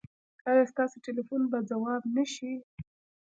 ایا ستاسو ټیلیفون به ځواب نه شي؟